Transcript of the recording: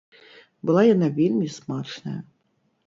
Была яна вельмі смачная.